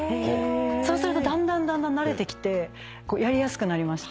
そうするとだんだんだんだん慣れてきてやりやすくなりました。